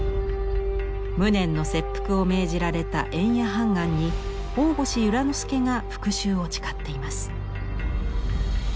無念の切腹を命じられた塩冶判官に大星由良之助が復しゅうを誓っています。